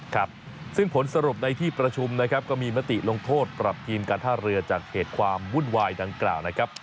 ครับซึ่งผลสรุปในที่ประชุมนะครับก็มีมติลงโทษปรับทีมการท่าเรือจากเหตุความวุ่นวายดังกล่าวนะครับ